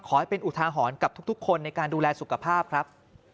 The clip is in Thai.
ขอให้เป็นอุทาหรณ์กับทุกคนในการดูแลสุขภาพครับ